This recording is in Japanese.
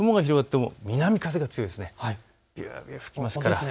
雲が広がっても南風が強いです。